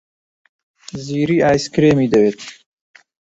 زیری ئایسکرێمی دەوێت.